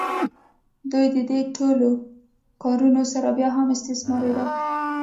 دوی د دې ټولو کارونو سره بیا هم استثماریدل.